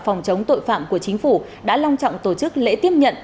phòng chống tội phạm của chính phủ đã long trọng tổ chức lễ tiếp nhận